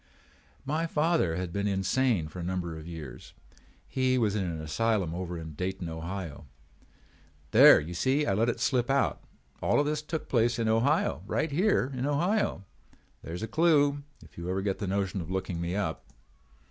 "My father had been insane for a number of years. He was in an asylum over at Dayton, Ohio. There you see I have let it slip out! All of this took place in Ohio, right here in Ohio. There is a clew if you ever get the notion of looking me up.